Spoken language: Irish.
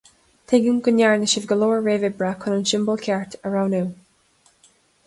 Tuigim go ndearna sibh go leor réamh-oibre chun an siombal ceart a roghnú.